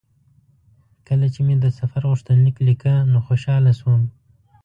کله چې مې د سفر غوښتنلیک لیکه نو خوشاله شوم.